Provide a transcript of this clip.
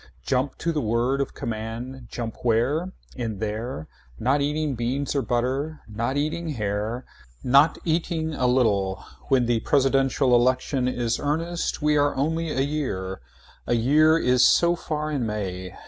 Jump to the word of command. Jump where In there Not eating beans or butter. Not eating hair. Not eating a little When the presidential election is earnest we are only a year. A year is so far in May.